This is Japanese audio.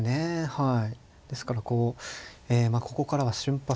はい。